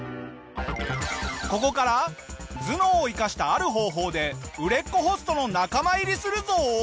ここから頭脳を生かしたある方法で売れっ子ホストの仲間入りするぞ！